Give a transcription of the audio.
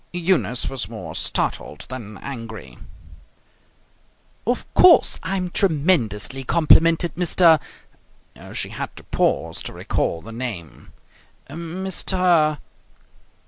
Eunice was more startled than angry. "Of course, I'm tremendously complimented, Mr. " She had to pause to recall the name. "Mr.